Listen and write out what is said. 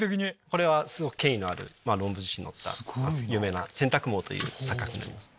これはすごく権威のある論文誌に載った有名な選択盲という錯覚になります。